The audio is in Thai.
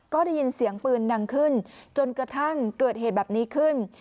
ก็ได้ยินเสียงปืนดังขึ้นจนกระทั่งเกิดเหตุแบบนี้ขึ้น